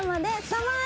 サマー！